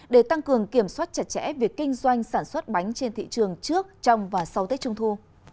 để tăng cường kiểm soát chặt chẽ việc kinh doanh sản xuất bánh trên thị trường trước trong và sau tết trung thu